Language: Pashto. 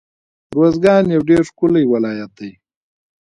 روزګان يو ډير ښکلی ولايت دی